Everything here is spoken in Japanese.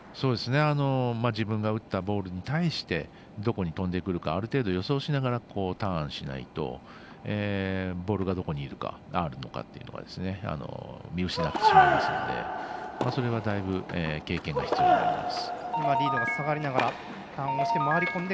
自分が打ったボールに対してどこに飛んでくるかある程度、予想しながらターンしないとボールがどこにあるのかっていうのが見失ってしまいますのでそれはだいぶ経験が必要になります。